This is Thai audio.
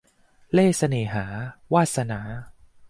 เล่ห์เสน่หา - วาสนา